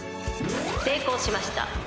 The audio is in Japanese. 成功しました。